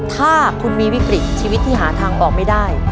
ถ้าคุณมีวิกฤตชีวิตที่หาทางออกไม่ได้